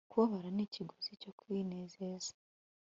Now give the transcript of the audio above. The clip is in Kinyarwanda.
Kubabara ni ikiguzi cyo kwinezeza